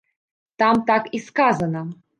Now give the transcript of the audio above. Там так і сказана!